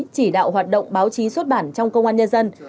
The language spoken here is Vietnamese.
chỉ đạo hoạt động báo chí xuất bản trong công an nhân dân